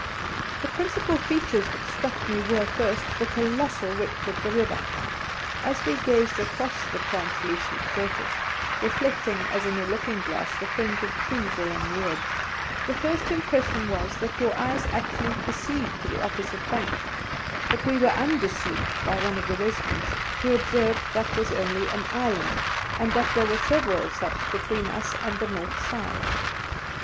The principal features that struck me were, first, the colossal width of the river. As we gazed across the translucent surface, reflecting as in a looking glass the fringe of trees along the edge, the first impression was that your eyes actually perceived the opposite bank; but we were undeceived by one of the residents, who observed that was only an island, and that there were several such between us and the north side.